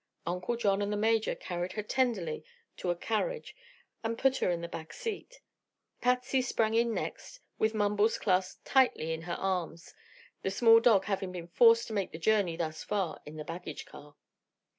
Uncle John and the Major carried her tenderly to a carriage and put her in the back seat. Patsy sprang in next, with Mumbles clasped tightly in her arms, the small dog having been forced to make the journey thus far in the baggage car.